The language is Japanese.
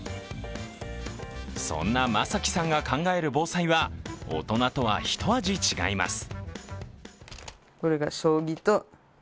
そんな眞輝さんが考える防災は、大人とは一味違います。